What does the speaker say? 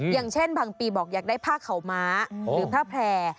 อย่างเช่นบางปีบอกอยากได้ผ้าขาวม้าหรือผ้าแพร่